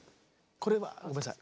これはごめんなさい。